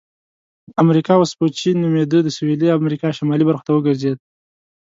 امریکا وسپوچې نومیده د سویلي امریکا شمالي برخو ته وګرځېد.